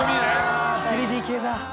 ３Ｄ系だ！